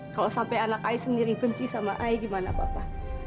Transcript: kalo sampe anak ai sendiri benci sama ai gimana papa